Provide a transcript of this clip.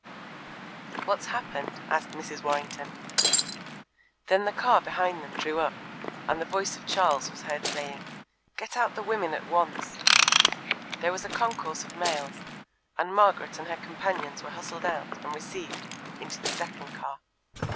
"What's happened?" asked Mrs. Warrington. Then the car behind them drew up, and the voice of Charles was heard saying: "Get out the women at once." There was a concourse of males, and Margaret and her companions were hustled out and received into the second car.